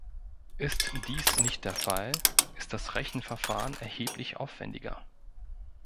Ist dies nicht der Fall, ist das Rechenverfahren erheblich aufwändiger.